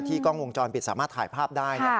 กล้องวงจรปิดสามารถถ่ายภาพได้